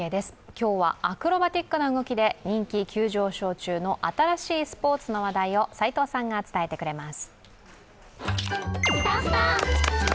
今日はアクロバティックな動きで人気急上昇中の新しいスポーツの話題を齋藤さんが伝えてくれます。